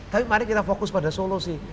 tapi mari kita fokus pada solusi